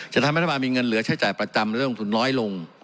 จะทำให้รัฐบาลมีเงินเหลือใช้จ่ายประจำและเรื่องลงทุนน้อยลง